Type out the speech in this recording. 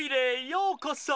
ようこそ！